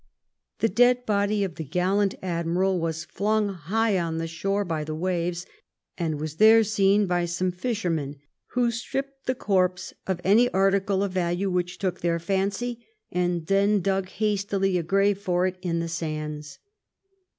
The dead body of the gallant admiral was flung high on the shore by the waves, and was there seen by some fishermen^ who stripped the corpse of any article of value which took their fancy and then dug hastily a grave for it in the sands.